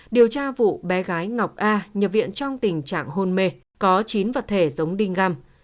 điều tra vụ bé gái ngọc a nhập viện trong tình trạng hôn mê có chín vật thể giống đinh găm